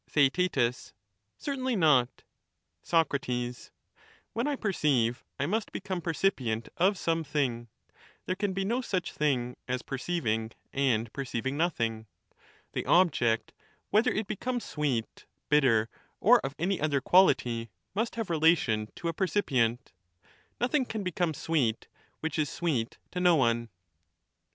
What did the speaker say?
Theaet, Certainly not Soc, When I perceive I must become percipient of some thing— there can be no such thing as perceiving and perceiv ing nothing ; the object, whether it become sweet, bitter, or of any other quality, must have relation to a percipients nothing can become sweet which is sweet to no one.